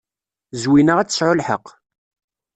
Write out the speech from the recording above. Zwina ad tesɛu lḥeqq.